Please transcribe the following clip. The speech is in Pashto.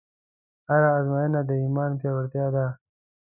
هره ازموینه د ایمان پیاوړتیا ده.